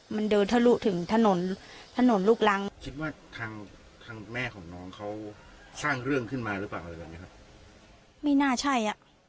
ไม่น่าใช่อ่ะ